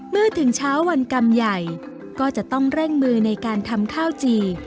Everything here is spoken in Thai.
เมื่อถึงเช้าวันกรรมใหญ่ก็จะต้องเร่งมือในการทำข้าวจี่